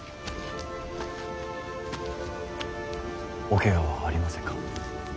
おケガはありませんか。